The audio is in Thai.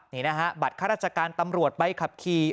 นี่นะฮะบทธรรจการตำรวจใบขับขี่